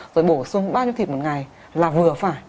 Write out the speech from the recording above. rồi bổ sung bao nhiêu thịt một ngày là vừa phải